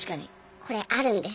これあるんです。